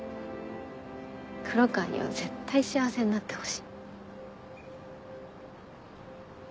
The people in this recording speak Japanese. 黒川には絶対幸せになってほしい。